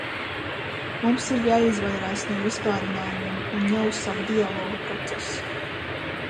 Mums ir jāizvairās no vispārinājumiem un jāuzsāk dialoga process.